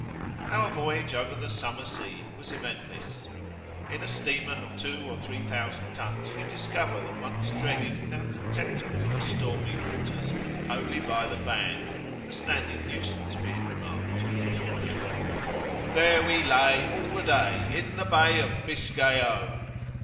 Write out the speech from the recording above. Our voyage over the "summer sea" was eventless. In a steamer of two or three thousand tons you discover [p.7]the once dreaded, now contemptible, "stormy waters" only by the band a standing nuisance be it remarked performing "There we lay All the day, In the Bay of Biscay, O!"